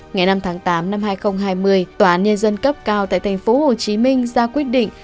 ngày năm tháng tám năm hai nghìn hai mươi tòa án nhân dân cấp cao tại tp hcm ra quyết định